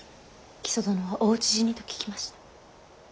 木曽殿はお討ち死にと聞きました。